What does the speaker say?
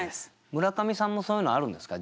村上さんもそういうのあるんですか？